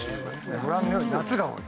ご覧のように夏が多い。